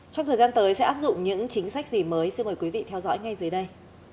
trong thời gian tới sẽ áp dụng những chính sách gì mới xin mời quý vị theo dõi ngay dưới đây